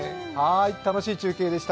楽しい中継でした。